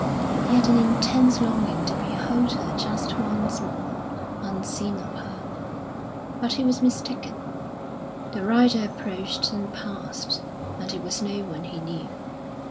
He had an intense longing to behold her just once more, unseen of her; but he was mistaken. The rider approached and passed, and it was no one he knew.